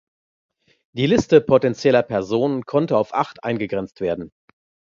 Die Liste potentieller Personen konnte auf acht eingegrenzt werden.